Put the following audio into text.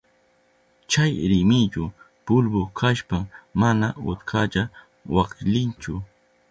Chay rimillu pulbu kashpan mana utkalla waklinchu.